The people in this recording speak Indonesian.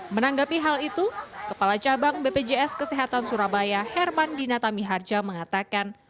menanggapi hal itu kepala cabang bpjs kesehatan surabaya herman dinata miharja mengatakan